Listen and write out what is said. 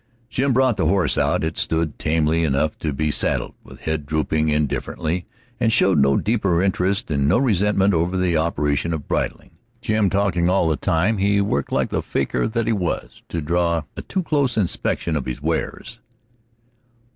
Jim brought the horse out. It stood tamely enough to be saddled, with head drooping indifferently, and showed no deeper interest and no resentment over the operation of bridling, Jim talking all the time he worked, like the faker that he was, to draw off a too close inspection of his wares.